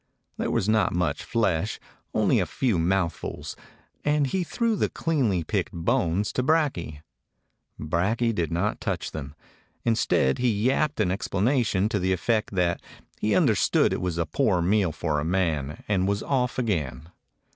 There was not much flesh, only a few mouthfuls, and he threw the cleanly picked bones to Brakje. Brakje did not touch them. Instead he yapped an explanation to the effect that he understood it was a poor meal for a man, and was off again.